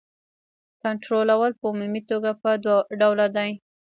کنټرول په عمومي توګه په دوه ډوله دی.